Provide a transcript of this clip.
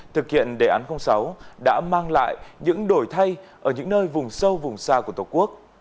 thực hiện đề án sáu đã mang lại những đổi thay ở những nơi vùng sâu vùng xa của tổ quốc